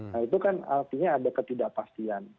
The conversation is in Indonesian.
nah itu kan artinya ada ketidakpastian